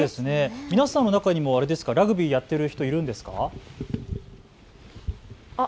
皆さんの中にもラグビーやっている人、いるんですか。